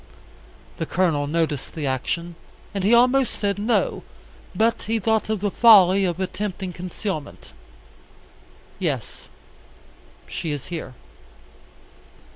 The Colonel noticed the action, and he almost said "no," but he thought of the folly of attempting concealment. "Yes. She is here."